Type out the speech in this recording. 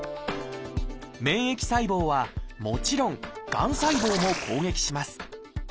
免疫細胞はもちろんがん細胞も攻撃します。